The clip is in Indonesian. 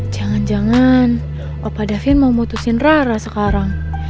jangan jangan bapak davin mau putusin rara sekarang